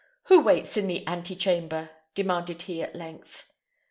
"Who waits in the ante chamber?" demanded he, at length.